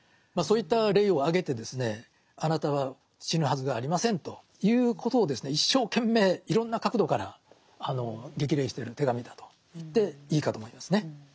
そういった例を挙げてですねあなたは死ぬはずがありませんということをですね一生懸命いろんな角度から激励してる手紙だと言っていいかと思いますね。